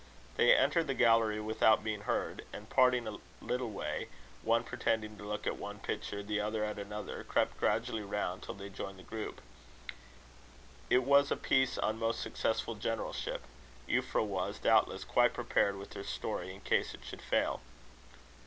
They entered the gallery without being heard; and parting a little way, one pretending to look at one picture, the other at another, crept gradually round till they joined the group. It was a piece of most successful generalship. Euphra was, doubtless, quite prepared with her story in case it should fail.